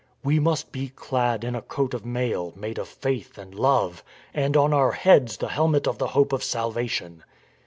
We must be clad in a coat of mail, made of faith, and love; and on our heads the helmet of the hope of salvation.